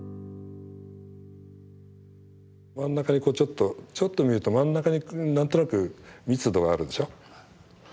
真ん中にこうちょっとちょっと見ると真ん中に何となく密度があるでしょ？